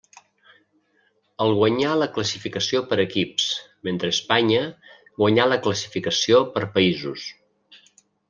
El guanyà la classificació per equips, mentre Espanya guanyà la classificació per països.